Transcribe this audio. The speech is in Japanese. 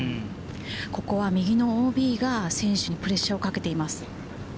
ここは右のＯＢが選手にプレッシャーをかけています。